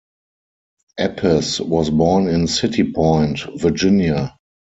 Eppes was born in City Point, Virginia.